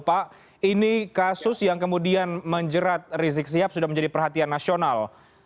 pak ini kasus yang kemudian menjerat rizik sihab sudah menjadi perhatian nasional